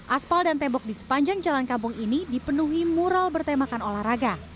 aspal dan tembok di sepanjang jalan kampung ini dipenuhi mural bertemakan olahraga